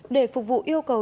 để phục vụ yêu cầu